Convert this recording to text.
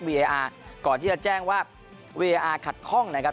วีเออร์ก่อนที่จะแจ้งว่าวีเออร์ขัดคล่องนะครับ